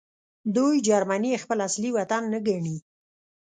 دوی جرمني خپل اصلي وطن نه ګڼي